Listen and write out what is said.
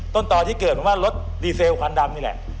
ต้นต่อที่เกิดมาว่ารถดีเซลควันดำนี่แหละ